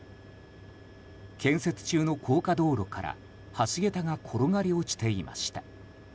建設中の高架道路から橋桁が転がり落ちていました。